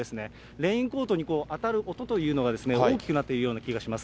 レインコートに当たる音というのが、大きくなっているような気がします。